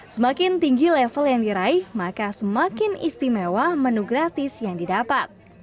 semakin tinggi level yang diraih maka semakin istimewa menu gratis yang didapat